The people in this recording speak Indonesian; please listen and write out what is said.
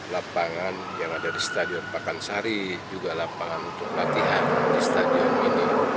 lapangan yang ada di stadion pakansari juga lapangan untuk latihan di stadion ini